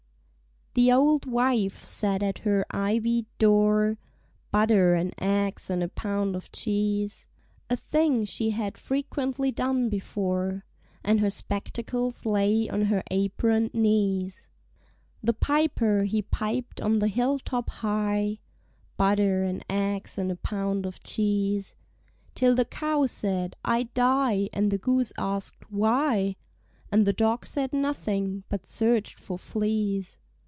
THE auld wife sat at her ivied door, (Butter and eggs and a pound of cheese) A thing she had frequently done before; And her spectacles lay on her apron'd knees. The piper he piped on the hill top high, (Butter and eggs and a pound of cheese) Till the cow said "I die," and the goose ask'd "Why?" And the dog said nothing, but search'd for fleas.